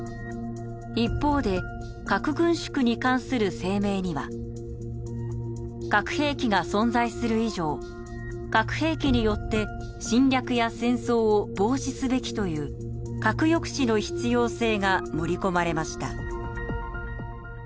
一方で核軍縮に関する声明には「核兵器が存在する以上核兵器によって侵略や戦争を防止すべき」という核抑止の必要性が盛り込まれました。